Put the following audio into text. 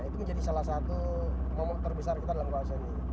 itu menjadi salah satu momen terbesar kita dalam bahasa ini